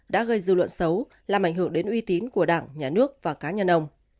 đã gây dư luận xấu làm ảnh hưởng đến uy tín của đảng nhà nước và cá nhân ông